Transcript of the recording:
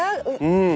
うん。